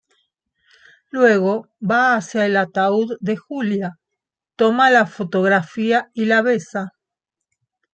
Luego va hacia el ataúd de Julia, toma la fotografía y la besa.